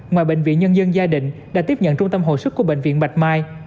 ngoài bệnh viện nhân dân gia đình đã tiếp nhận trung tâm hồi sức của bệnh viện bạch mai